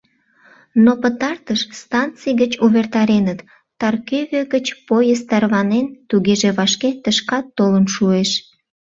Но пытартыш станций гыч увертареныт: Таркӧвӧ гыч поезд тарванен, тугеже вашке тышкат толын шуэш.